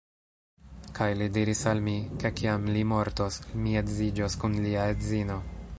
Kaj li diris al mi, ke kiam li mortos, mi edziĝos kun lia edzino.